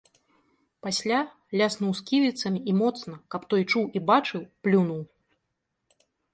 Пасля ляснуў сківіцамі і моцна, каб той чуў і бачыў, плюнуў.